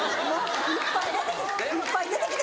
いっぱい出てきてもうた。